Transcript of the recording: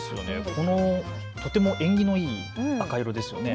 とても縁起のいい赤色ですよね。